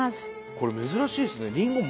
これ珍しいですね。